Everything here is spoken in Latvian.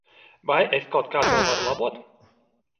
Vai es kaut kā to varu labot?